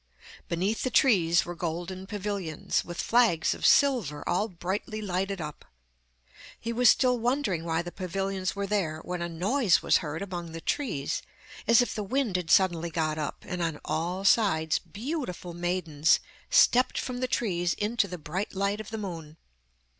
Beneath the trees were golden pavilions, with flags of silver all brightly lighted up. He was still wondering why the pavilions were there, when a noise was heard among the trees, as if the wind had suddenly got up, and on all sides beautiful maidens stepped from the trees into the bright light of the moon.